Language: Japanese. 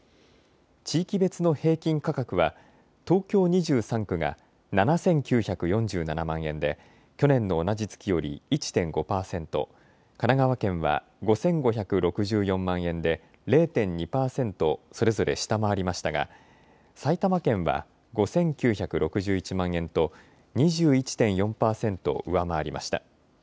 地域別の平均価格は東京２３区が７９４７万円で去年の同じ月より１．５％、神奈川県は５５６４万円で０．２％それぞれ下回りましたが埼玉県は５９６１万円と２１．４％上回りました。